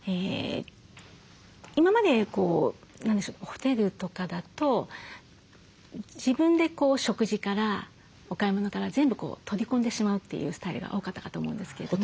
今まで何でしょうホテルとかだと自分で食事からお買い物から全部取り込んでしまうというスタイルが多かったかと思うんですけれども。